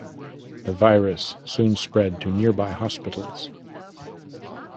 The virus soon spread to nearby hospitals.